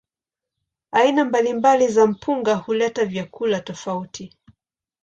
Aina mbalimbali za mpunga huleta vyakula tofauti.